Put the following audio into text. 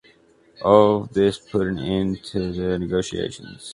All of this put an end to the negotiations.